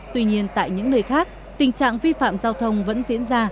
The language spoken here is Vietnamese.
tuy nhiên tại những nơi khác tình trạng vi phạm giao thông vẫn diễn ra